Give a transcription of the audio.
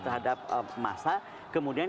terhadap massa kemudian